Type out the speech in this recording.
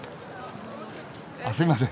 あっすいません！